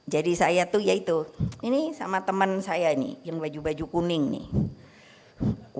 jadi saya tuh ya itu ini sama teman saya nih yang baju baju kuning nih